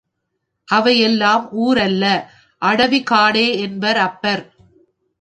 அவையெல்லாம் ஊர் அல்ல அடவி காடே என்பர் அப்பர்.